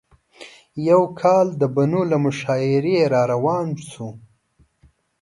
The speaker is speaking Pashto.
یو کال د بنو له مشاعرې راروان شوو.